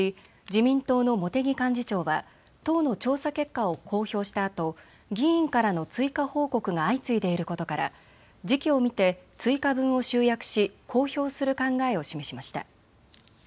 自民党の茂木幹事長は党の調査結果を公表したあと議員からの追加報告が相次いでいることから時機を見て追加分を集約し公表する考えを示しました。